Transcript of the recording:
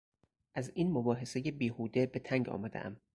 از این مباحثهٔ بیهوده به تنگ آمده ام.